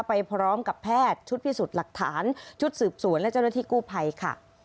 ไปพร้อมกับแพทย์ชุดพิสูจน์หลักฐานชุดสืบสวนและเจ้าหน้าที่กู้ภัยค่ะ